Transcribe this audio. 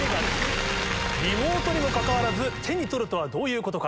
リモートにもかかわらず手に取るとはどういうことか。